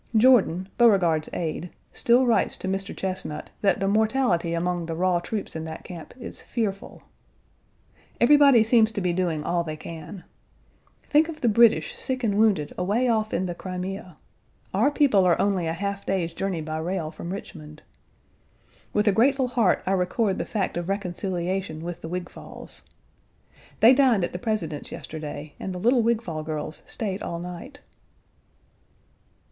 Jordan, Beauregard's aide, still writes to Mr. Chesnut that the mortality among the raw troops in that camp is fearful. Everybody seems to be doing all they can. Think of the British sick and wounded away off in the Crimea. Our people are only a half day's journey by rail from Richmond. With a grateful heart I record the fact of reconciliation with the Wigfalls. They dined at the President's yesterday and the little Wigfall girls stayed all night.